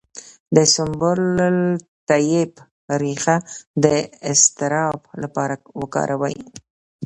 د سنبل الطیب ریښه د اضطراب لپاره وکاروئ